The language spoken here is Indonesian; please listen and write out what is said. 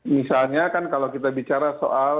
misalnya kan kalau kita bicara soal